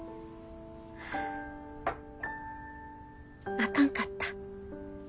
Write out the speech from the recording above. あかんかった。